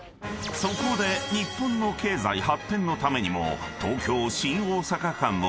［そこで日本の経済発展のためにも］